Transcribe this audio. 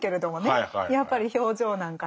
やっぱり表情なんかで。